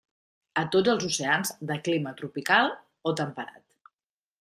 A tots els oceans de clima tropical o temperat.